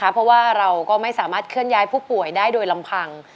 เพราะว่าเราก็ไม่สามารถเคลื่อนย้ายผู้ป่วยได้โดยลำพัง